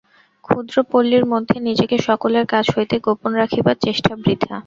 ক্ষুদ্র পল্লীর মধ্যে নিজেকে সকলের কাছ হইতে গোপন রাখিবার চেষ্টা বৃথা।